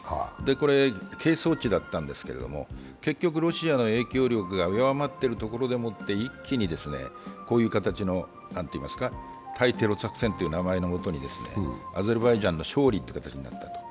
これ係争地だったんですけれども、結局ロシアの影響力が弱まってるところでもって一気にこういう形の対テロ作戦という名の下にアゼルバイジャンの勝利となった。